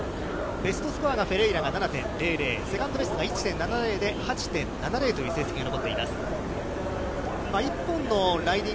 ベストスコアがフェレイラが７．００、世界度ベースが１．７０、８．７０という成績が残っています。